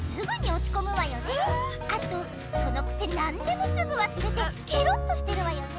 あとそのくせ何でもすぐわすれてケロッとしてるわよね。